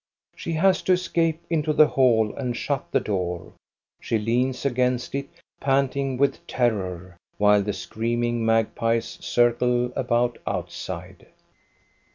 She has to escape into the hall and shut the door. She leans against it, panting with terror, while the screaming magpies circle about outside.